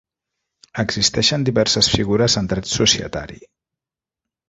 Existeixen diverses figures en Dret societari.